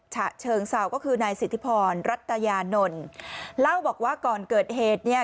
ฉะเชิงเศร้าก็คือนายสิทธิพรรัตยานนท์เล่าบอกว่าก่อนเกิดเหตุเนี่ย